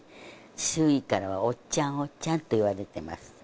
周囲からはおっちゃんおっちゃんと言われてます